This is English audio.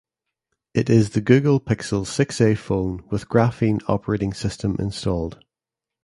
It is the "Google Pixel Six A" phone with Graphene Operating System installed.